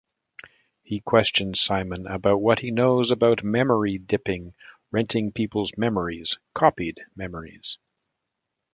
He questions Simon about what he knows about "memory-dipping", renting people's memories, copied memories.